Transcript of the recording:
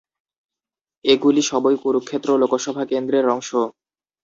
এগুলি সবই কুরুক্ষেত্র লোকসভা কেন্দ্রের অংশ।